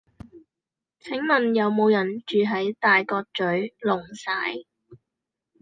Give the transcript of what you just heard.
請問有無人住喺大角嘴瓏璽